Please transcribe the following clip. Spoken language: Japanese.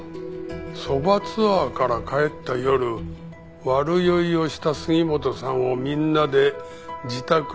そばツアーから帰った夜悪酔いをした杉本さんをみんなで自宅に送っていった。